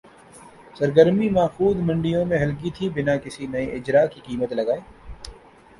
سرگرمی ماخوذ منڈیوں میں ہلکی تھِی بِنا کسی نئے اجراء کی قیمت لگائے